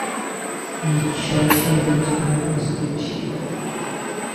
শিষ্য সেদিন সেখানে উপস্থিত ছিল।